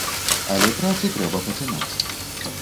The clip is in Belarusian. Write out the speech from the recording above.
Але працу трэба пачынаць.